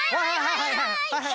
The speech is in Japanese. はいはい！